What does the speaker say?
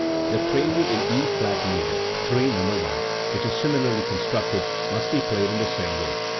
The prelude in E flat major (III, No, i), which is similarly constructed, must be played in the same way.